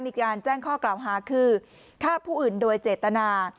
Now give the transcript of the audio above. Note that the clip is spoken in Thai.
มีการแจ้งข้อกล่าวหาคือฆ่าผู้อื่นโดยเจตนา